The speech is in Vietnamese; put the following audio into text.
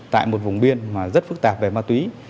tại một vùng biên mà rất phức tạp về ma túy